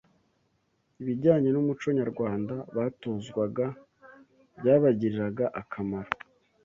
Ibijyanye n’umuco nyarwanda batozwaga byabagiriraga akamaro